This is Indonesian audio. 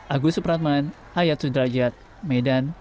agus supratman hayat sudrajat medan